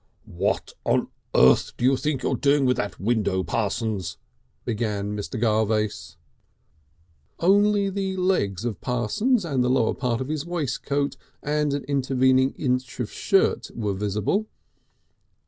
"What on Earth do you think you are doing with that window, Parsons?" began Mr. Garvace. Only the legs of Parsons and the lower part of his waistcoat and an intervening inch of shirt were visible.